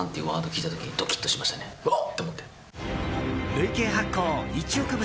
累計発行１億部